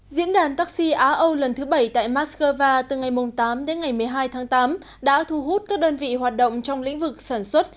diễn đàn taxi á âu lần thứ bảy tại moscow từ ngày tám đến ngày một mươi hai tháng tám đã thu hút các đơn vị hoạt động trong lĩnh vực sản xuất